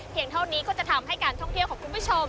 เท่านี้ก็จะทำให้การท่องเที่ยวของคุณผู้ชม